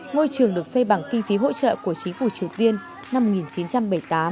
ngôi trường được xây bằng kinh phí hỗ trợ của chính phủ triều tiên năm một nghìn chín trăm bảy mươi tám